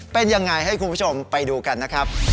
เป็นยังไงให้คุณผู้ชมไปดูกันนะครับ